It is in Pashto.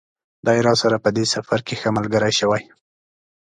دی راسره په دې سفر کې ښه ملګری شوی.